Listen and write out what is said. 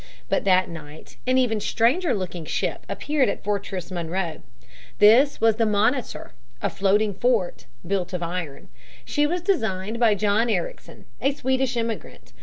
But that night an even stranger looking ship appeared at Fortress Monroe. This was the Monitor, a floating fort, built of iron. She was designed by John Ericsson, a Swedish immigrant.